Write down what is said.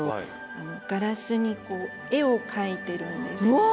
うわ。